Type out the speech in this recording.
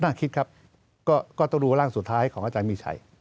คิดครับก็ต้องดูร่างสุดท้ายของอาจารย์มีชัย